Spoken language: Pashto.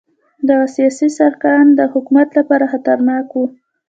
دغه سیاسي سرکښان د حکومت لپاره خطرناک وو.